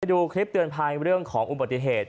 ดูคลิปเตือนภัยเรื่องของอุบัติเหตุ